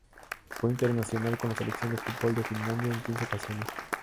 Fue internacional con la Selección de fútbol de Finlandia en quince ocasiones.